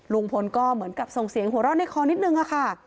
ลุงพลก็เหมือนกับส่งเสียงหัวเราะในคอนิดนึงค่ะ